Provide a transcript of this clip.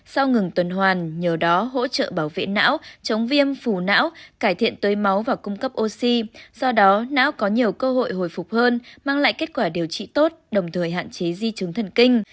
sau ngừng tuần hoàn nhờ đó hỗ trợ bảo vệ não chống viêm phù não cải thiện tưới máu và cung cấp oxy do đó não có nhiều cơ hội hồi phục hơn mang lại kết quả điều trị tốt đồng thời hạn chế di chứng thần kinh